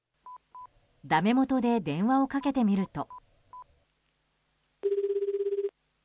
だめもとで電話をかけてみると。